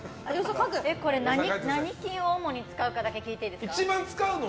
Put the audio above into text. これ何筋を主に使うかだけ聞いていいですか？